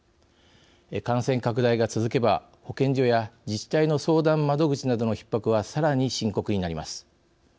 感染拡大が続けば保健所や自治体の相談窓口などのひっ迫はさらに深刻になります。